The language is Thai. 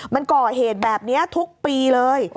มันก่อเหตุแบบนี้ทุกปีเลย